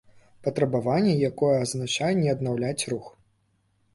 Патрабаванне, якое азначае не аднаўляць рух